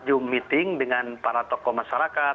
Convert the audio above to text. zoom meeting dengan para tokoh masyarakat